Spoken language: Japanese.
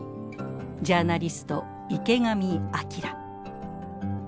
ジャーナリスト池上彰。